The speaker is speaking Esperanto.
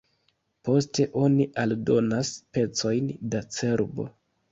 Poste oni aldonas pecojn da cerbo.